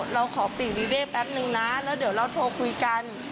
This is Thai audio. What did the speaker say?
เราขอปีกวีเว่แป๊บนึงนะแล้วเดี๋ยวเราโทรคุยกัน